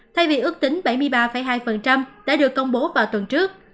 thay vì ước tính bảy mươi ba hai đã được công bố vào tuần trước